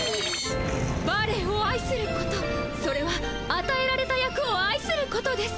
バレエをあいすることそれはあたえられた役をあいすることです。